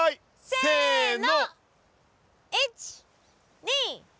せの。